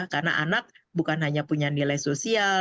karena anak bukan hanya punya nilai sosial